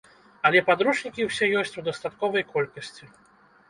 Але падручнікі ўсе ёсць у дастатковай колькасці.